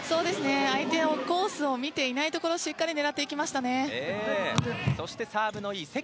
相手のコース見ていないところをしっかり狙っていきました。